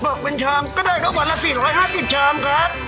อกเป็นชามก็ได้ครับวันละ๔๕๐ชามครับ